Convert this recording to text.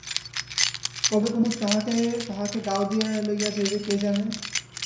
কবে কুমুদ তাহাকে গাওদিয়ায় লাইয়া যাইবে কে জানে!